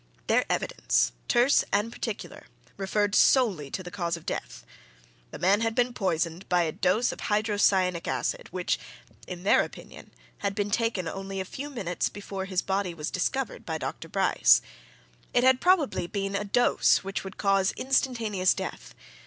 Their evidence, terse and particular, referred solely to the cause of death. The man had been poisoned by a dose of hydrocyanic acid, which, in their opinion, had been taken only a few minutes before his body was discovered by Dr. Bryce. It had probably been a dose which would cause instantaneous death.